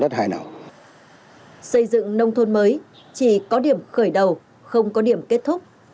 xây dựng nông thôn mới chỉ có điểm khởi đầu không có điểm kết thúc